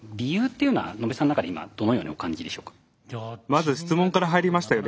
まず質問から入りましたよね。